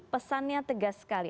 pesannya tegas sekali